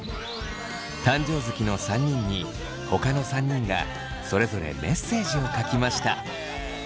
誕生月の３人にほかの３人がそれぞれメッセージを書きました。